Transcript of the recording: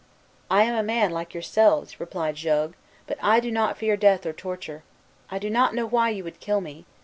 "I am a man like yourselves," replied Jogues; "but I do not fear death or torture. I do not know why you would kill me.